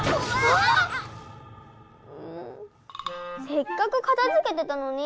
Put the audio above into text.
せっかくかたづけてたのに！